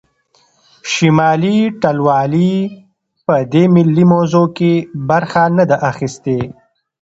شمالي ټلوالې په دې ملي موضوع کې برخه نه ده اخیستې